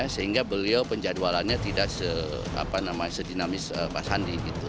sehingga beliau penjadwalannya tidak sedinamis pak sandi gitu